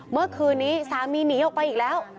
เมื่อคืนนี้สามีหนีออกไปอีกแล้ว